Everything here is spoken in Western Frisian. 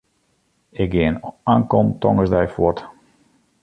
Ik gean ankom tongersdei fuort.